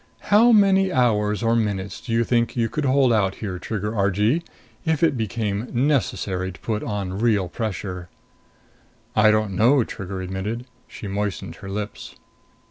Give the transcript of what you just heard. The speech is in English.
"How many hours or minutes do you think you could hold out here, Trigger Argee, if it became necessary to put on real pressure?" "I don't know," Trigger admitted. She moistened her lips.